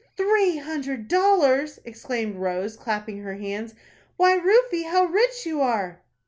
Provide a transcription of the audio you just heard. "Three hundred dollars!" exclaimed Rose, clapping her hands. "Why Rufie, how rich you are!"